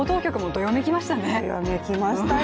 どよめきましたよ。